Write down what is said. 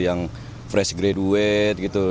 yang fresh graduate gitu